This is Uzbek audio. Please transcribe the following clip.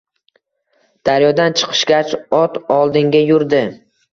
Daryodan chiqishgach ot oldinga yurdi